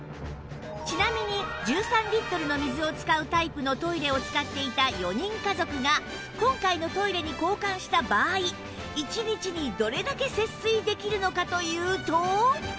ちなみに１３リットルの水を使うタイプのトイレを使っていた４人家族が今回のトイレに交換した場合１日にどれだけ節水できるのかというと